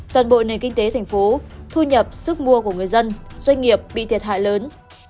nền kinh tế thành phố thu nhập sức mua của người dân doanh nghiệp bị thiệt hại lớn